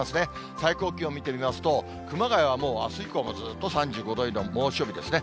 最高気温見てみますと、熊谷はもう、あす以降もずっと３５度以上の猛暑日ですね。